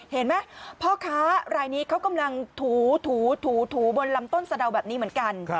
เห็นไหมพ่อค้ารายนี้เขากำลังถูบนลำต้นสะดาวแบบนี้เหมือนกัน